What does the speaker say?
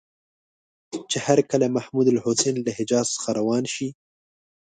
چې هرکله محمودالحسن له حجاز څخه روان شي.